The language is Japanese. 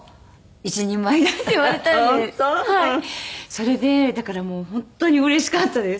それでだからもう本当にうれしかったです。